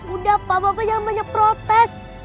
udah pak bapak jangan banyak protes